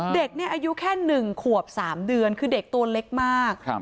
เด็กเนี่ยอายุแค่๑ขวบ๓เดือนคือเด็กตัวเล็กมาก